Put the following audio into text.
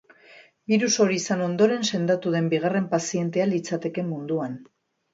Birus hori izan ondoren sendatu den bigarren pazientea litzateke munduan.